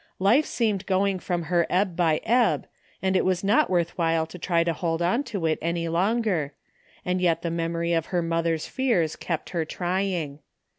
Life seemed going from her ebb by ebb and it was not worth while to try to hold on to it any longer, and yet the memory of her mother's fears kept 34 THE FINDING OF JASPER HOLT her trying.